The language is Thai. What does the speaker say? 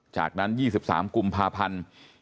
จากนั้น๒๓กุมภาพันธ์